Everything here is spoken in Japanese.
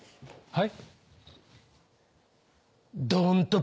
はい？